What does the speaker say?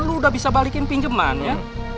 lu udah bisa balikin pinjaman ya